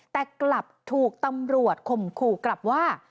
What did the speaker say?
แต่กลับถูกตำรวจข่มขู่กลับว่า